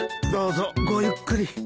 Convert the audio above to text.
どうぞごゆっくり。